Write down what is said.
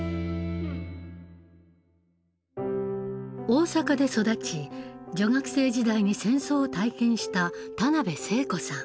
大阪で育ち女学生時代に戦争を体験した田辺聖子さん。